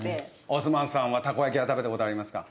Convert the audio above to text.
オスマンさんはたこ焼きは食べた事ありますか？